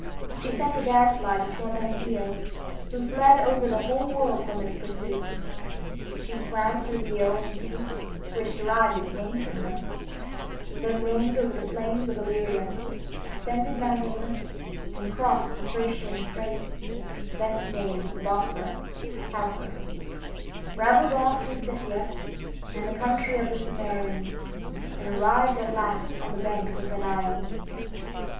She sent a gadfly to torment Io, who fled over the whole world from its pursuit. She swam through the Ionian sea, which derived its name from her, then roamed over the plains of Illyria, ascended Mount Haemus, and crossed the Thracian strait, thence named the Bosphorus (cow ford), rambled on through Scythia, and the country of the Cimmerians, and arrived at last on the banks of the Nile.